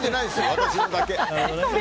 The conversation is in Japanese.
私のだけ。